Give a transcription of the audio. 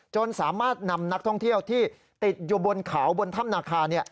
จนสามารถนำนักท่องเที่ยวที่ติดอยู่บนเขาบนถ้ำนาคา